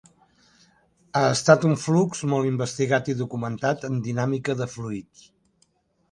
Ha estat un flux molt investigat i documentat en dinàmica de fluids.